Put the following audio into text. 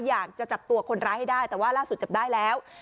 อยากจะจับตัวคนร้ายให้ได้แต่ว่าล่าสุดจับได้แล้ว